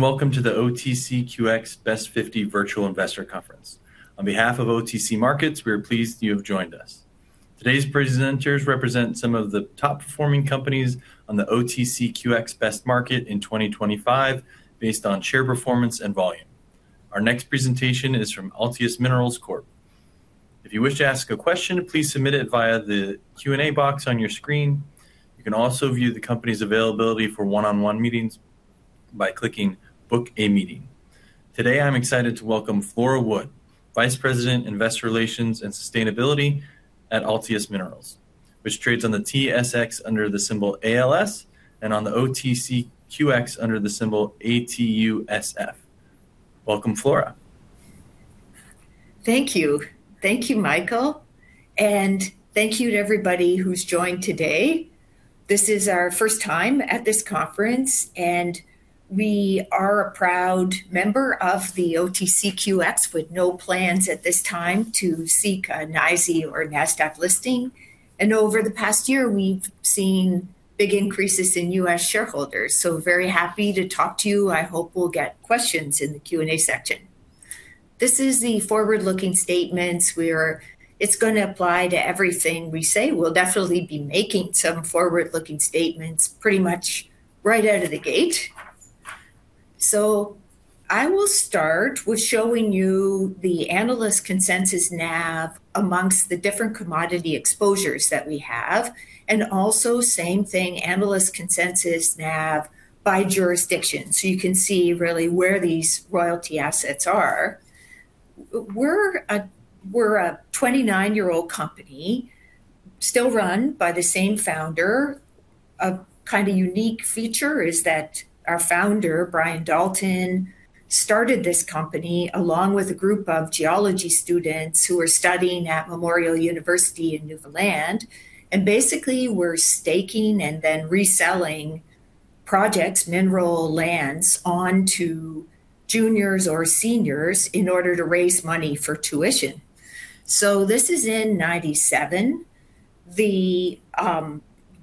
Welcome to the OTCQX Best 50 Virtual Investor Conference. On behalf of OTC Markets, we are pleased you have joined us. Today's presenters represent some of the top-performing companies on the OTCQX Best Market in 2025 based on share performance and volume. Our next presentation is from Altius Minerals Corp. If you wish to ask a question, please submit it via the Q&A box on your screen. You can also view the company's availability for one-on-one meetings by clicking Book a Meeting. Today, I'm excited to welcome Flora Wood, Vice President, Investor Relations and Sustainability at Altius Minerals, which trades on the TSX under the symbol ALS and on the OTCQX under the symbol ATUSF. Welcome, Flora. Thank you. Thank you, Michael, and thank you to everybody who's joined today. This is our first time at this conference, and we are a proud member of the OTCQX, with no plans at this time to seek a NYSE or NASDAQ listing. Over the past year, we've seen big increases in U.S. shareholders, so very happy to talk to you. I hope we'll get questions in the Q&A section. This is the forward-looking statements. It's gonna apply to everything we say. We'll definitely be making some forward-looking statements pretty much right out of the gate. I will start with showing you the analyst consensus NAV amongst the different commodity exposures that we have and also same thing, analyst consensus NAV by jurisdiction, so you can see really where these royalty assets are. We're a 29-year-old company still run by the same founder. A kinda unique feature is that our founder, Brian Dalton, started this company along with a group of geology students who were studying at Memorial University in Newfoundland and basically were staking and then reselling projects, mineral lands onto juniors or seniors in order to raise money for tuition. This is in 1997.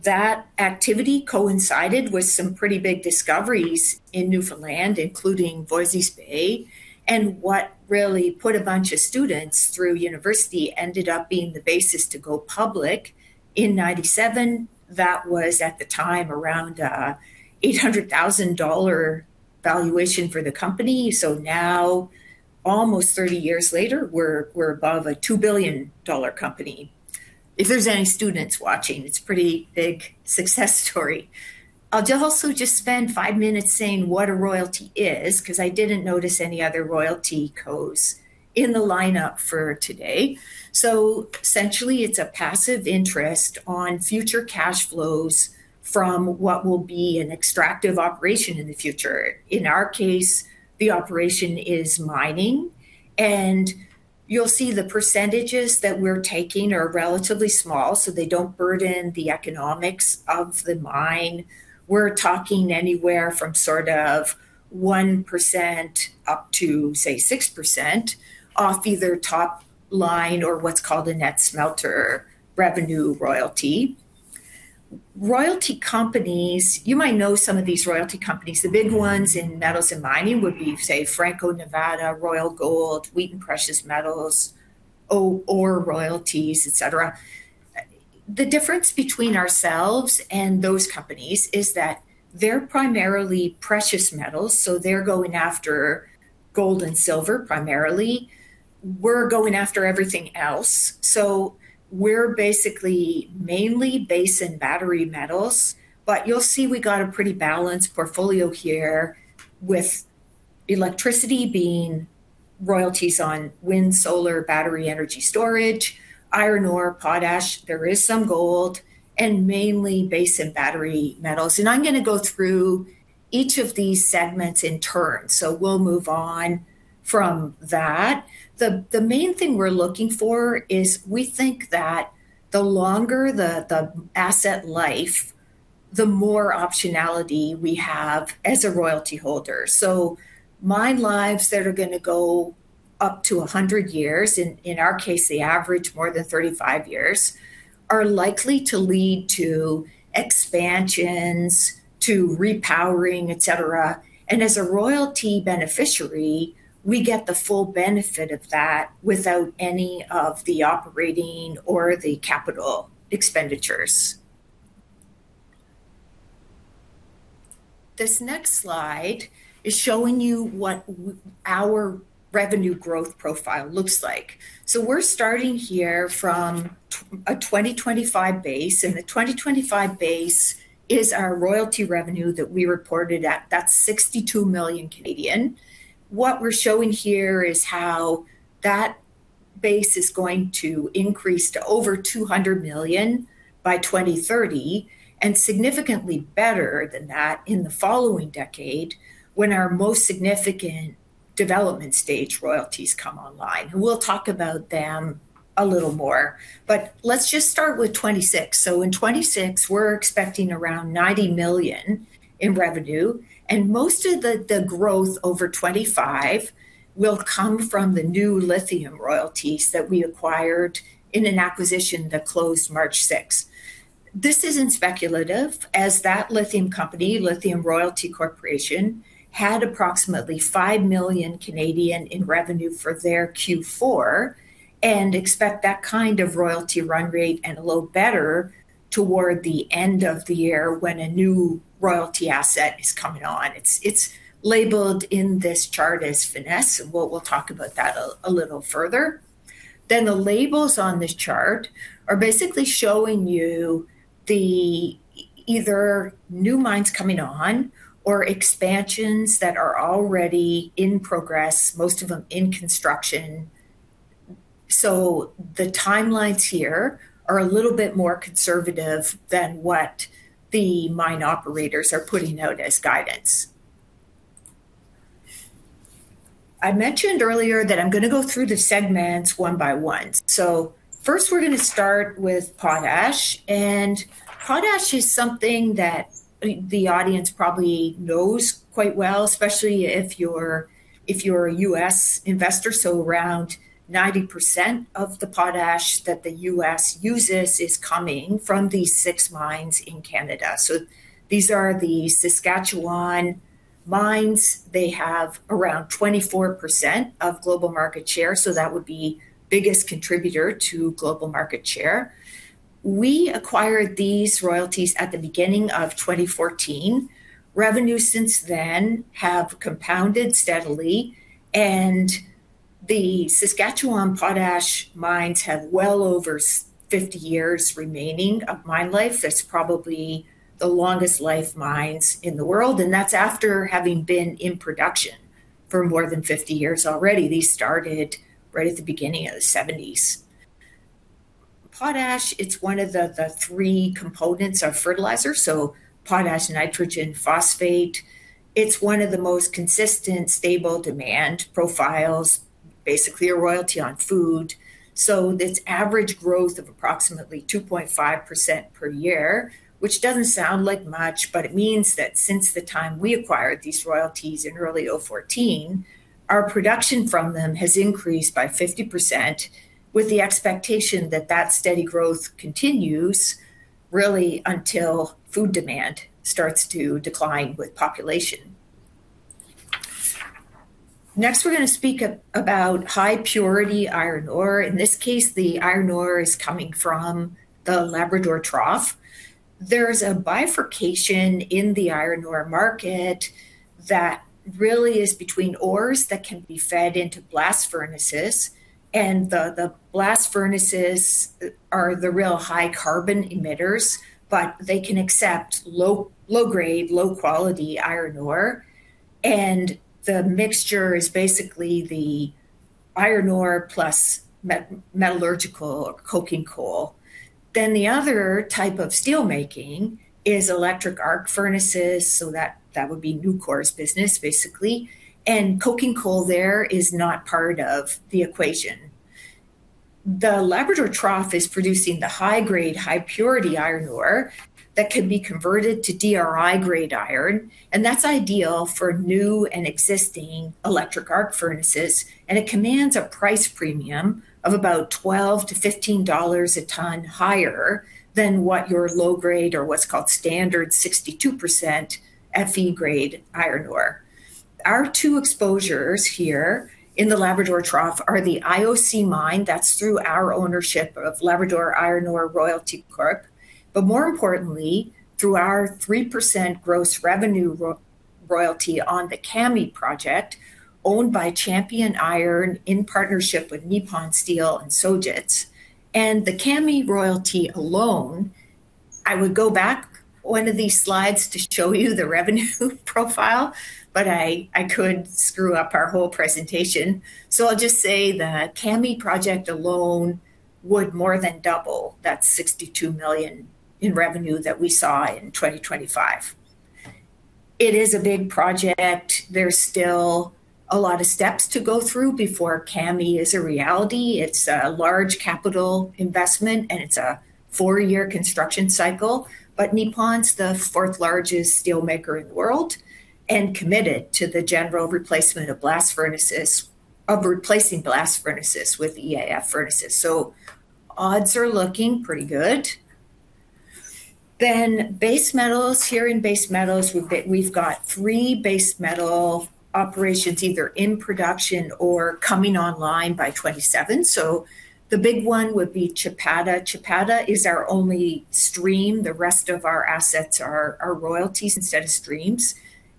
That activity coincided with some pretty big discoveries in Newfoundland, including Voisey's Bay, and what really put a bunch of students through university ended up being the basis to go public in 1997. That was, at the time, around 800,000 dollar valuation for the company. Now, almost thirty years later, we're above a 2 billion dollar company. If there's any students watching, it's pretty big success story. I'll also spend five minutes saying what a royalty is 'cause I didn't notice any other royalty cos in the lineup for today. Essentially, it's a passive interest on future cash flows from what will be an extractive operation in the future. In our case, the operation is mining, and you'll see the percentages that we're taking are relatively small, so they don't burden the economics of the mine. We're talking anywhere from sort of 1% up to, say, 6% off either top line or what's called a net smelter return royalty. Royalty companies, you might know some of these royalty companies. The big ones in metals and mining would be, say, Franco-Nevada, Royal Gold, Wheaton Precious Metals, Orogen Royalties, et cetera. The difference between ourselves and those companies is that they're primarily precious metals, so they're going after gold and silver primarily. We're going after everything else, so we're basically mainly base and battery metals. You'll see we got a pretty balanced portfolio here, with electricity being royalties on wind, solar, battery energy storage, iron ore, potash. There is some gold and mainly base and battery metals, and I'm gonna go through each of these segments in turn. We'll move on from that. The main thing we're looking for is we think that the longer the asset life, the more optionality we have as a royalty holder. Mine lives that are gonna go up to 100 years, in our case, they average more than 35 years, are likely to lead to expansions, to repowering, et cetera. As a royalty beneficiary, we get the full benefit of that without any of the operating or the capital expenditures. This next slide is showing you our revenue growth profile looks like. We're starting here from a 2025 base, and the 2025 base is our royalty revenue that we reported at. That's 62 million. What we're showing here is how that base is going to increase to over 200 million by 2030 and significantly better than that in the following decade when our most significant development stage royalties come online. We'll talk about them a little more, but let's just start with 2026. In 2026, we're expecting around 90 million in revenue, and most of the growth over 2025 will come from the new lithium royalties that we acquired in an acquisition that closed March 6. This isn't speculative as that lithium company, Lithium Royalty Corp., had approximately 5 million in revenue for their Q4 and expect that kind of royalty run rate and a little better toward the end of the year when a new royalty asset is coming on. It's labeled in this chart as Finniss. We'll talk about that a little further. The labels on this chart are basically showing you the either new mines coming on or expansions that are already in progress, most of them in construction. The timelines here are a little bit more conservative than what the mine operators are putting out as guidance. I mentioned earlier that I'm gonna go through the segments one by one. First we're gonna start with potash, and potash is something that the audience probably knows quite well, especially if you're a US investor. Around 90% of the potash that the US uses is coming from these six mines in Canada. These are the Saskatchewan mines. They have around 24% of global market share, so that would be biggest contributor to global market share. We acquired these royalties at the beginning of 2014. Revenue since then have compounded steadily, and the Saskatchewan potash mines have well over 50 years remaining of mine life. That's probably the longest life mines in the world, and that's after having been in production for more than 50 years already. These started right at the beginning of the 1970s. Potash, it's one of the three components of fertilizer, so potash, nitrogen, phosphate. It's one of the most consistent, stable demand profiles, basically a royalty on food. This average growth of approximately 2.5% per year, which doesn't sound like much, but it means that since the time we acquired these royalties in early 2014, our production from them has increased by 50% with the expectation that that steady growth continues really until food demand starts to decline with population. Next, we're gonna speak about high purity iron ore. In this case, the iron ore is coming from the Labrador Trough. There's a bifurcation in the iron ore market that really is between ores that can be fed into blast furnaces and the blast furnaces are the real high carbon emitters, but they can accept low-grade, low-quality iron ore. The mixture is basically the iron ore plus metallurgical coking coal. The other type of steel making is electric arc furnaces, so that would be Nucor's business, basically. Coking coal there is not part of the equation. The Labrador Trough is producing the high-grade, high-purity iron ore that can be converted to DRI-grade iron, and that's ideal for new and existing electric arc furnaces, and it commands a price premium of about $12-$15 a ton higher than what your low-grade or what's called standard 62% Fe grade iron ore. Our two exposures here in the Labrador Trough are the IOC mine, that's through our ownership of Labrador Iron Ore Royalty Corp. More importantly, through our 3% gross revenue royalty on the Kami Project, owned by Champion Iron in partnership with Nippon Steel and Sojitz. The Kami royalty alone, I would go back one of these slides to show you the revenue profile, but I could screw up our whole presentation. I'll just say the Kami project alone would more than double that 62 million in revenue that we saw in 2025. It is a big project. There's still a lot of steps to go through before Kami is a reality. It's a large capital investment, and it's a four-year construction cycle. Nippon Steel's the fourth largest steel maker in the world and committed to the general replacement of blast furnaces with EAF furnaces. Odds are looking pretty good. Base metals. Here in base metals, we've got three base metal operations either in production or coming online by 2027. The big one would be Chapada. Chapada is our only stream. The rest of our assets are royalties instead of streams.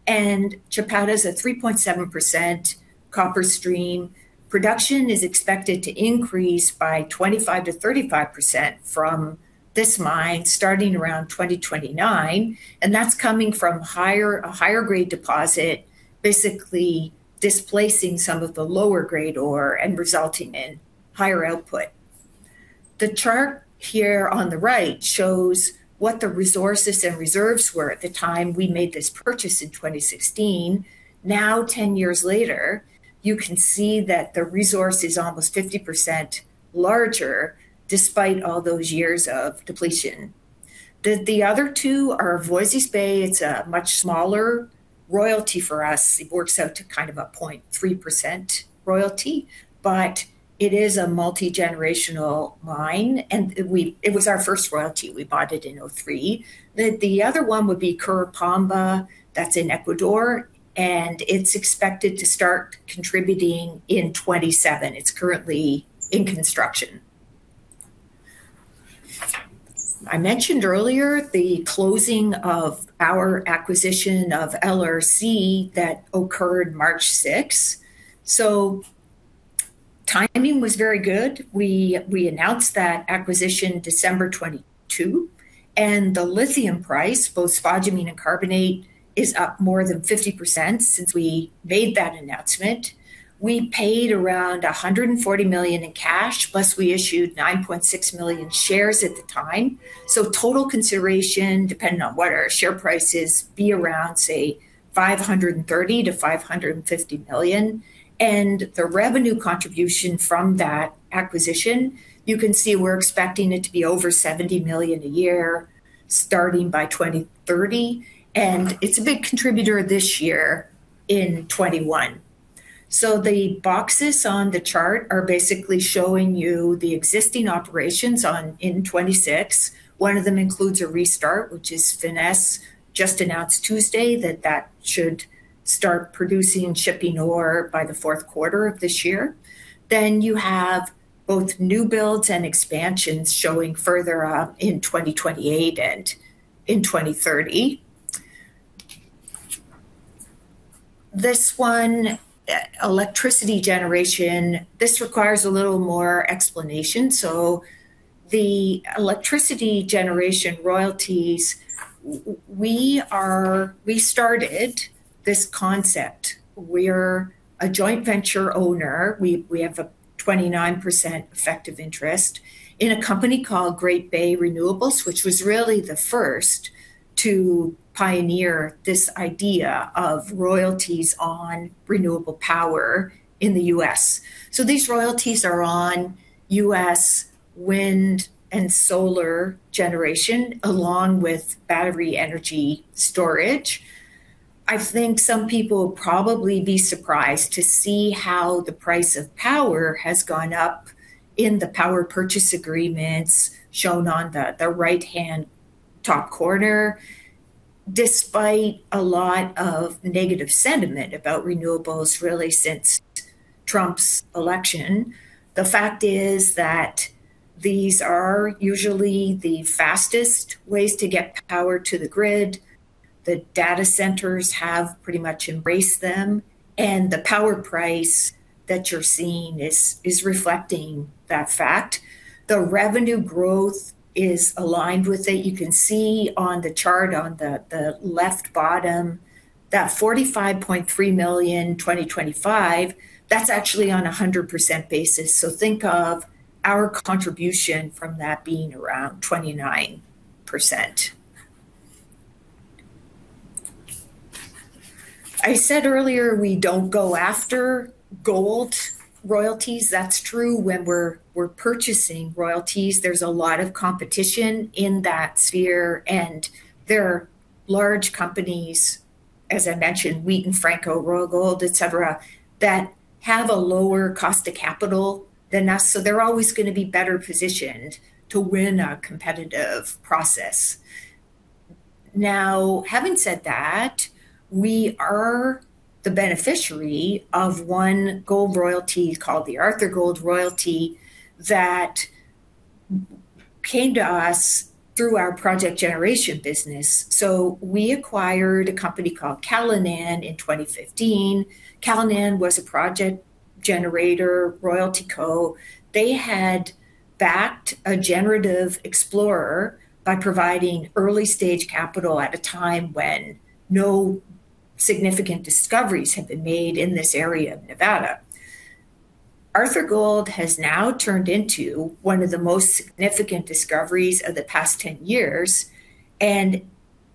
Chapada's a 3.7% copper stream. Production is expected to increase by 25%-35% from this mine starting around 2029, and that's coming from a higher grade deposit, basically displacing some of the lower grade ore and resulting in higher output. The chart here on the right shows what the resources and reserves were at the time we made this purchase in 2016. Now, 10 years later, you can see that the resource is almost 50% larger despite all those years of depletion. The other two are Voisey's Bay, it's a much smaller royalty for us, it works out to kind of a 0.3% royalty, but it is a multi-generational mine, and we it was our first royalty. We bought it in 2003. The other one would be Curipamba, that's in Ecuador, and it's expected to start contributing in 2027. It's currently in construction. I mentioned earlier the closing of our acquisition of LRC that occurred March 6. Timing was very good. We announced that acquisition December 2022, and the lithium price, both spodumene and carbonate, is up more than 50% since we made that announcement. We paid around 140 million in cash, plus we issued 9.6 million shares at the time. Total consideration, depending on what our share price is, be around, say, 530 million-550 million. The revenue contribution from that acquisition, you can see we're expecting it to be over 70 million a year starting by 2030, and it's a big contributor this year in 2021. The boxes on the chart are basically showing you the existing operations in 2026. One of them includes a restart, which is Finniss just announced Tuesday that that should start producing and shipping ore by the fourth quarter of this year. You have both new builds and expansions showing further out in 2028 and in 2030. This one, electricity generation, this requires a little more explanation. The electricity generation royalties, we started this concept. We're a joint venture owner. We have a 29% effective interest in a company called Great Bay Renewables, which was really the first to pioneer this idea of royalties on renewable power in the U.S. These royalties are on U.S. wind and solar generation, along with battery energy storage. I think some people would probably be surprised to see how the price of power has gone up in the power purchase agreements shown on the right-hand top corner, despite a lot of negative sentiment about renewables really since Trump's election. The fact is that these are usually the fastest ways to get power to the grid. The data centers have pretty much embraced them, and the power price that you're seeing is reflecting that fact. The revenue growth is aligned with it. You can see on the chart on the left bottom that 45.3 million 2025, that's actually on a 100% basis. So think of our contribution from that being around 29%. I said earlier, we don't go after gold royalties. That's true when we're purchasing royalties. There's a lot of competition in that sphere, and there are large companies, as I mentioned, Wheaton, Franco, Royal Gold, et cetera, that have a lower cost of capital than us. They're always gonna be better positioned to win a competitive process. Now, having said that, we are the beneficiary of one gold royalty called the Arthur Gold Royalty that came to us through our project generation business. We acquired a company called Callinan in 2015. Callinan was a project generator royalty co. They had backed a generative explorer by providing early-stage capital at a time when no significant discoveries had been made in this area of Nevada. Arthur Gold has now turned into one of the most significant discoveries of the past 10 years, and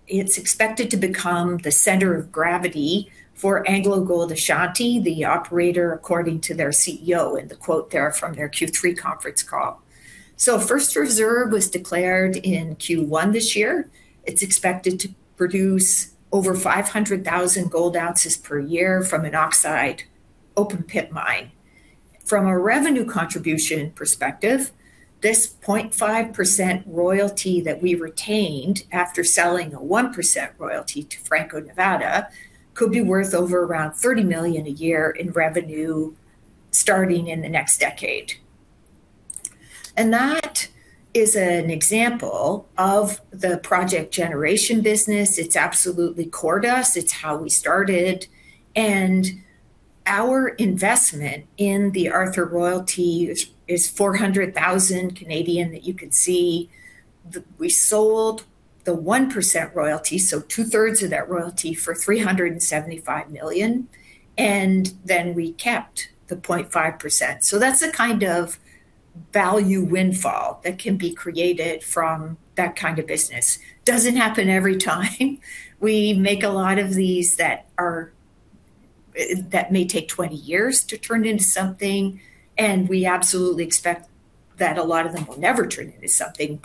it's expected to become the center of gravity for AngloGold Ashanti, the operator, according to their CEO in the quote there from their Q3 conference call. First reserve was declared in Q1 this year. It's expected to produce over 500,000 gold ounces per year from an oxide open-pit mine. From a revenue contribution perspective, this 0.5% royalty that we retained after selling a 1% royalty to Franco-Nevada could be worth over around 30 million a year in revenue starting in the next decade. That is an example of the project generation business. It's absolutely core to us. It's how we started. Our investment in the Arthur Royalty is 400,000 that you can see. We sold the 1% royalty, so two-thirds of that royalty, for 375 million, and then we kept the 0.5%. That's the kind of value windfall that can be created from that kind of business. Doesn't happen every time. We make a lot of these that may take 20 years to turn into something, and we absolutely expect that a lot of them will never turn into something.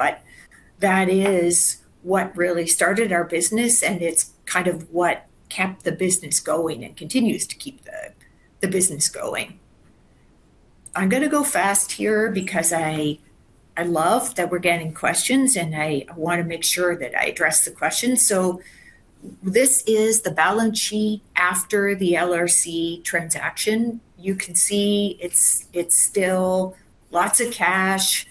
That is what really started our business, and it's kind of what kept the business going and continues to keep the business going. I'm gonna go fast here because I love that we're getting questions, and I want to make sure that I address the questions. This is the balance sheet after the LRC transaction. You can see it's still lots of cash.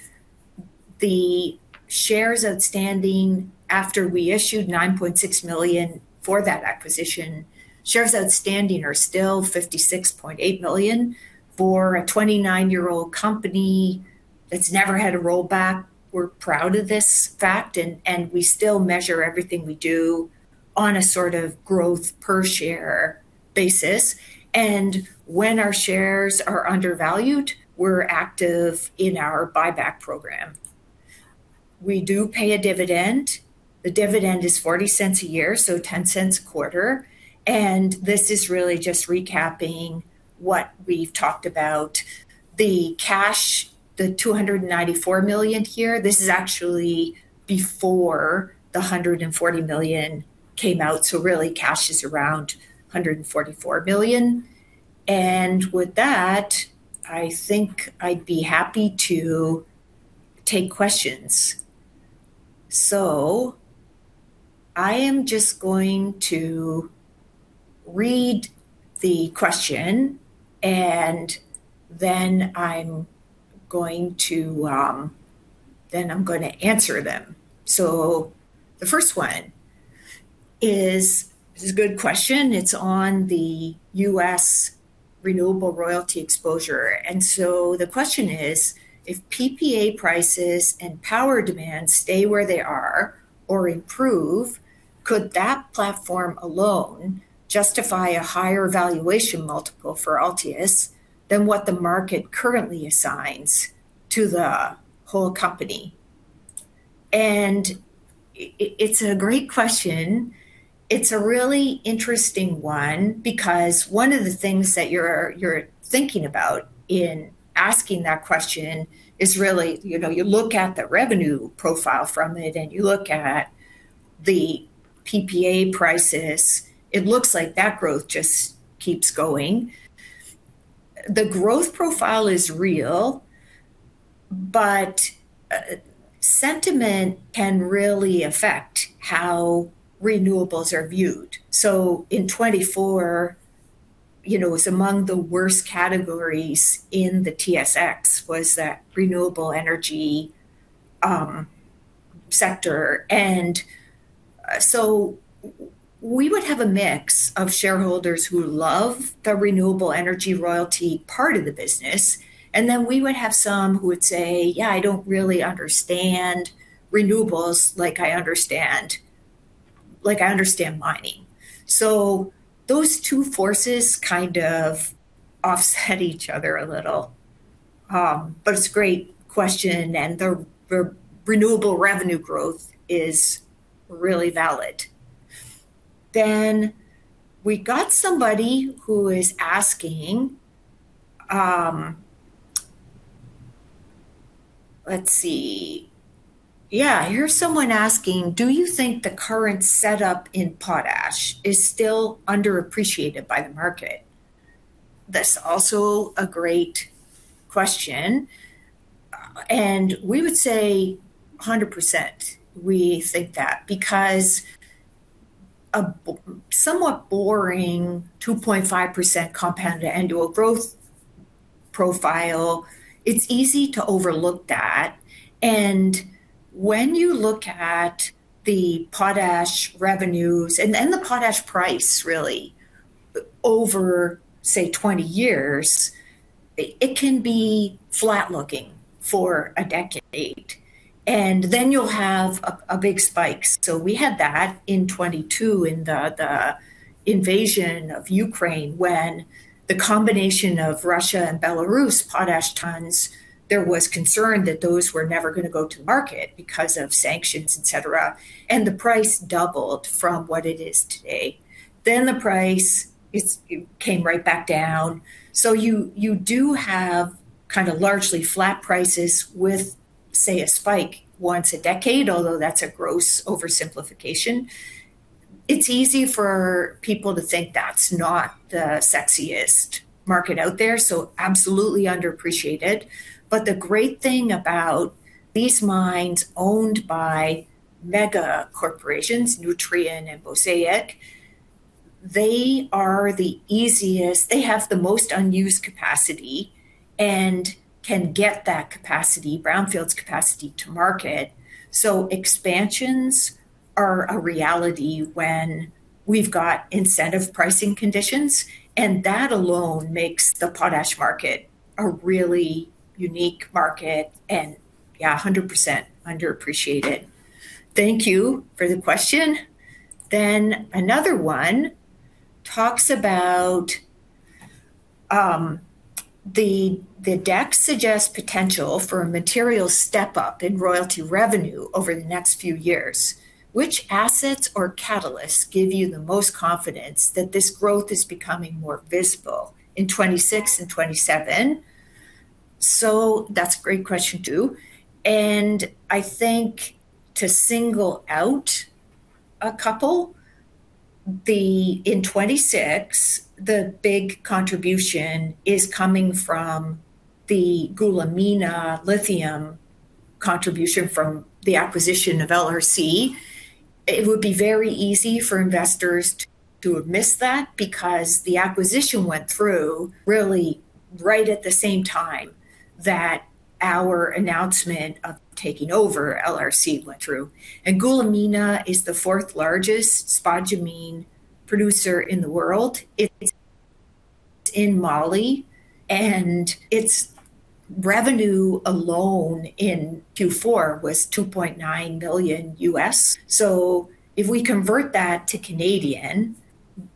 The shares outstanding after we issued 9.6 million for that acquisition, shares outstanding are still 56.8 million. For a 29-year-old company that's never had a rollback, we're proud of this fact, and we still measure everything we do on a sort of growth per share basis. When our shares are undervalued, we're active in our buyback program. We do pay a dividend. The dividend is 0.40 a year, so 0.10 a quarter. This is really just recapping what we've talked about. The cash, the 294 million here, this is actually before the 140 million came out, so really cash is around 144 million. With that, I think I'd be happy to take questions. I am just going to read the question, and then I'm going to answer them. The first one is this is a good question. It's on the U.S. renewable royalty exposure. The question is, if PPA prices and power demand stay where they are or improve, could that platform alone justify a higher valuation multiple for Altius than what the market currently assigns to the whole company? It's a great question. It's a really interesting one because one of the things that you're thinking about in asking that question is really, you know, you look at the revenue profile from it, and you look at the PPA prices. It looks like that growth just keeps going. The growth profile is real, but sentiment can really affect how renewables are viewed. In 2024, you know, it was among the worst categories in the TSX was that renewable energy sector. We would have a mix of shareholders who love the renewable energy royalty part of the business, and then we would have some who would say, "Yeah, I don't really understand renewables like I understand, like I understand mining." Those two forces kind of offset each other a little. It's a great question, and the renewable revenue growth is really valid. We got somebody who is asking. Here's someone asking, "Do you think the current setup in potash is still underappreciated by the market?" That's also a great question. We would say 100% we think that. Because a somewhat boring 2.5% compound annual growth profile, it's easy to overlook that. When you look at the potash revenues and then the potash price really over, say, 20 years, it can be flat looking for a decade. Then you'll have a big spike. We had that in 2022 in the invasion of Ukraine when the combination of Russia and Belarus potash tons, there was concern that those were never gonna go to market because of sanctions, et cetera, and the price doubled from what it is today. The price, it came right back down. You do have kind of largely flat prices with, say, a spike once a decade, although that's a gross oversimplification. It's easy for people to think that's not the sexiest market out there, so absolutely underappreciated. The great thing about these mines owned by mega corporations, Nutrien and Mosaic, they are the easiest. They have the most unused capacity and can get that capacity, brownfields capacity to market. Expansions are a reality when we've got incentive pricing conditions, and that alone makes the potash market a really unique market and, yeah, 100% underappreciated. Thank you for the question. Another one talks about the deck suggests potential for a material step up in royalty revenue over the next few years. Which assets or catalysts give you the most confidence that this growth is becoming more visible in 2026 and 2027? That's a great question, too. I think to single out a couple, in 2026, the big contribution is coming from the Goulamina lithium contribution from the acquisition of LRC. It would be very easy for investors to have missed that because the acquisition went through really right at the same time that our announcement of taking over LRC went through. Goulamina is the fourth largest spodumene producer in the world. It's in Mali, and its revenue alone in Q4 was $2.9 million. If we convert that to Canadian,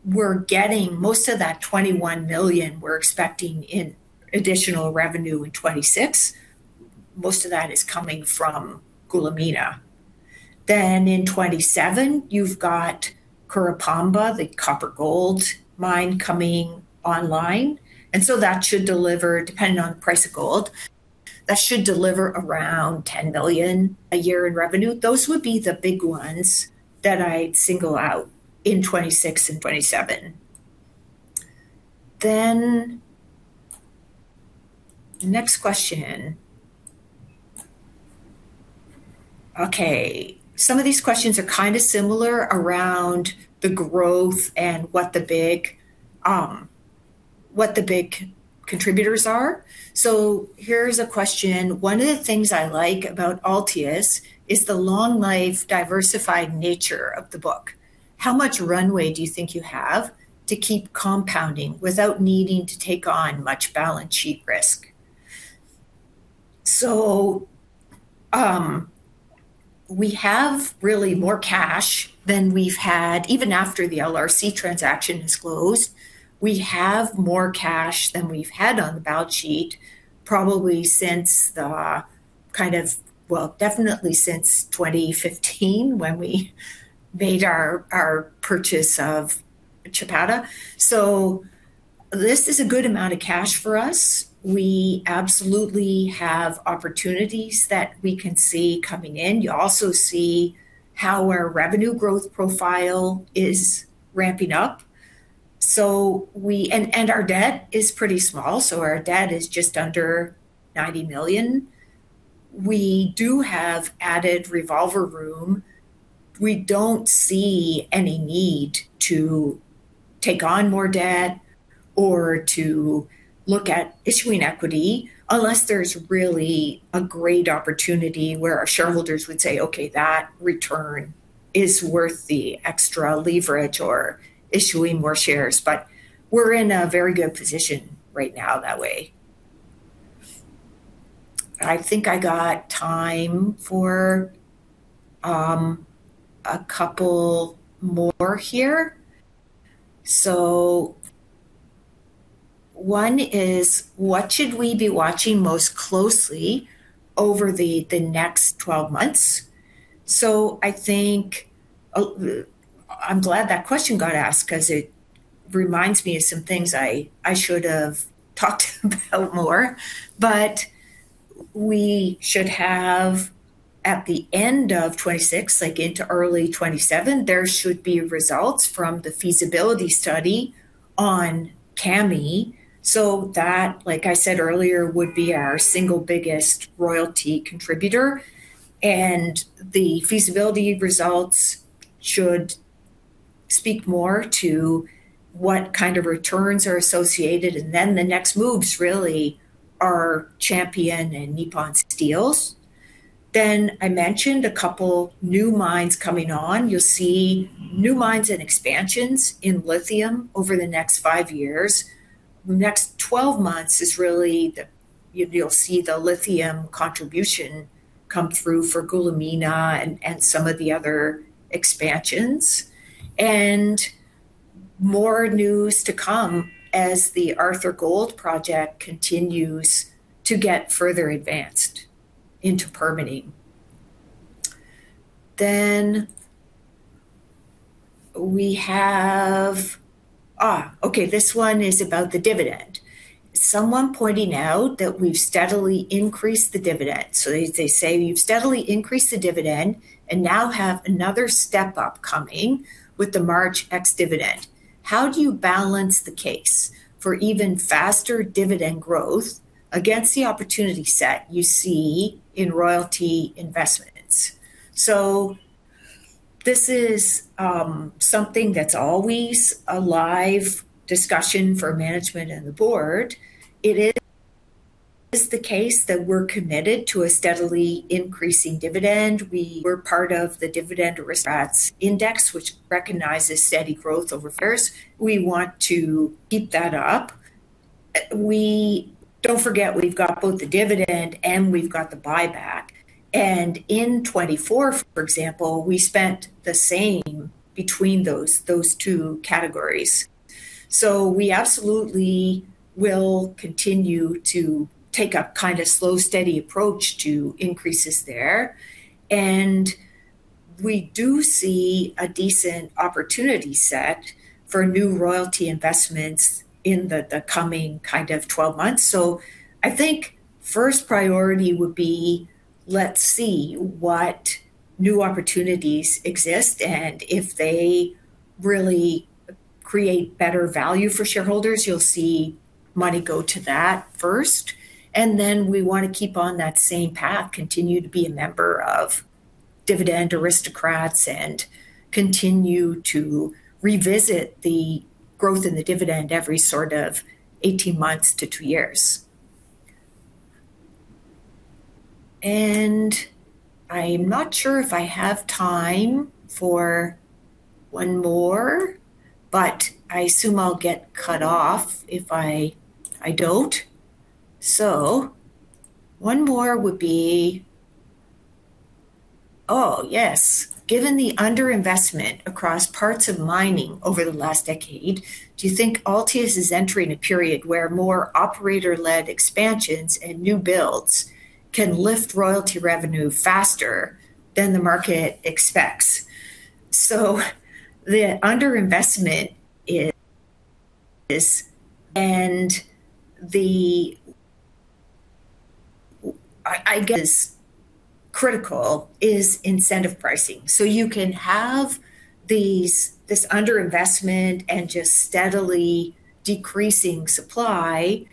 we're getting most of that 21 million we're expecting in additional revenue in 2026, most of that is coming from Goulamina. In 2027, you've got Curipamba, the copper gold mine coming online, and that should deliver, depending on the price of gold, around 10 million a year in revenue. Those would be the big ones that I'd single out in 2026 and 2027. Next question. Okay. Some of these questions are kind of similar around the growth and what the big contributors are. Here's a question. One of the things I like about Altius is the long-life diversified nature of the book. How much runway do you think you have to keep compounding without needing to take on much balance sheet risk? We have really more cash than we've had. Even after the LRC transaction is closed, we have more cash than we've had on the balance sheet probably since the kind of. Well, definitely since 2015, when we made our purchase of Chapada. This is a good amount of cash for us. We absolutely have opportunities that we can see coming in. You also see how our revenue growth profile is ramping up. Our debt is pretty small. Our debt is just under 90 million. We do have added revolver room. We don't see any need to take on more debt or to look at issuing equity unless there's really a great opportunity where our shareholders would say, "Okay, that return is worth the extra leverage or issuing more shares." We're in a very good position right now that way. I think I got time for a couple more here. One is: What should we be watching most closely over the next 12 months? I think I'm glad that question got asked because it reminds me of some things I should have talked about more. We should have at the end of 2026, like into early 2027, there should be results from the feasibility study on Kami. That, like I said earlier, would be our single biggest royalty contributor. The feasibility results should speak more to what kind of returns are associated, and then the next moves really are Champion and Nippon Steel. I mentioned a couple new mines coming on. You'll see new mines and expansions in lithium over the next five years. The next 12 months is really you'll see the lithium contribution come through for Goulamina and some of the other expansions. More news to come as the Arthur Gold Project continues to get further advanced into permitting. This one is about the dividend. Someone pointing out that we've steadily increased the dividend. They say, "You've steadily increased the dividend and now have another step up coming with the March ex-dividend. How do you balance the case for even faster dividend growth against the opportunity set you see in royalty investments?" This is something that's always a live discussion for management and the board. It is the case that we're committed to a steadily increasing dividend. We were part of the Dividend Aristocrats Index, which recognizes steady growth over years. We want to keep that up. Don't forget we've got both the dividend and we've got the buyback. In 2024, for example, we spent the same between those two categories. We absolutely will continue to take a kind of slow, steady approach to increases there. We do see a decent opportunity set for new royalty investments in the coming kind of 12 months. I think first priority would be, let's see what new opportunities exist, and if they really create better value for shareholders, you'll see money go to that first, and then we wanna keep on that same path, continue to be a member of Dividend Aristocrats and continue to revisit the growth in the dividend every sort of 18 months to two years. I'm not sure if I have time for one more, but I assume I'll get cut off if I don't. One more would be. Oh, yes. Given the underinvestment across parts of mining over the last decade, do you think Altius is entering a period where more operator-led expansions and new builds can lift royalty revenue faster than the market expects? The underinvestment is this and the. I guess critical is incentive pricing. You can have these, this underinvestment and just steadily decreasing supply,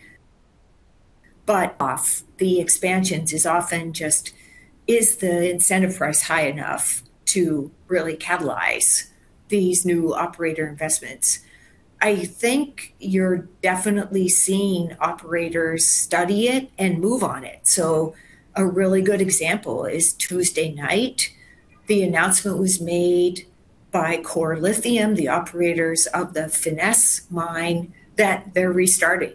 but often the expansions is often just, is the incentive price high enough to really catalyze these new operator investments? I think you're definitely seeing operators study it and move on it. A really good example is Tuesday night, the announcement was made by Core Lithium, the operators of the Finniss mine, that they're restarting.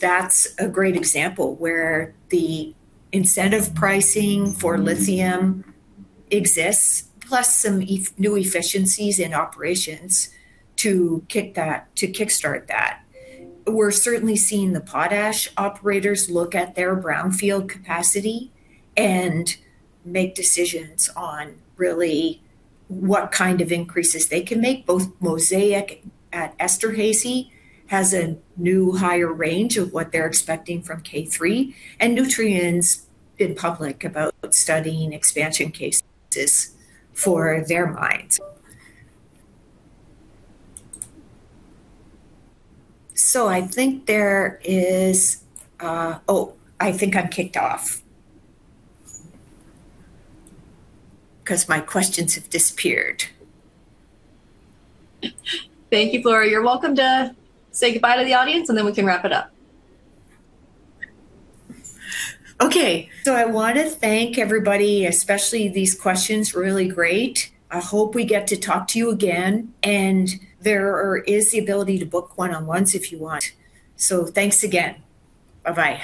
That's a great example where the incentive pricing for lithium exists, plus some new efficiencies in operations to kickstart that. We're certainly seeing the potash operators look at their brownfield capacity and make decisions on really what kind of increases they can make. Both Mosaic at Esterhazy has a new higher range of what they're expecting from K3, and Nutrien's been public about studying expansion cases for their mines. I think there is. Oh, I think I'm kicked off 'cause my questions have disappeared. Thank you, Flora. You're welcome to say goodbye to the audience, and then we can wrap it up. Okay. I wanna thank everybody, especially these questions, really great. I hope we get to talk to you again, and there is the ability to book one-on-ones if you want. Thanks again. Bye-bye.